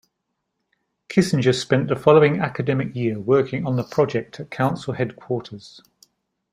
Kissinger spent the following academic year working on the project at Council headquarters.